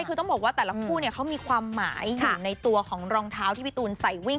คือต้องบอกว่าแต่ละคู่เนี่ยเขามีความหมายอยู่ในตัวของรองเท้าที่พี่ตูนใส่วิ่ง